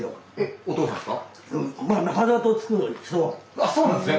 あっそうなんですね。